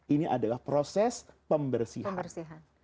ini adalah proses pembersihan